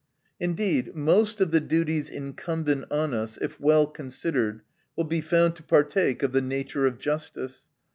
Indeed most of the duties incumbent on us, if well considered, will be found to partake of the nature of justice.